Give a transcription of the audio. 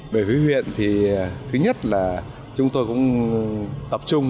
bởi với huyện thì thứ nhất là chúng tôi cũng tập trung